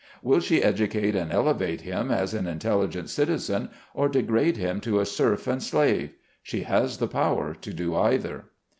Will she educate and elevate him as an intelligent citizen or degrade him to a serf and slave ? She has the power to do either.